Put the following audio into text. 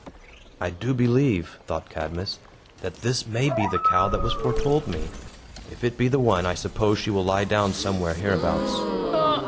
"I do believe," thought Cadmus, "that this may be the cow that was foretold me. If it be the one, I suppose she will lie down somewhere hereabouts."